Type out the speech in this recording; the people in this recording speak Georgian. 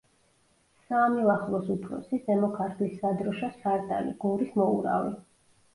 საამილახვროს უფროსი, ზემო ქართლის სადროშოს სარდალი, გორის მოურავი.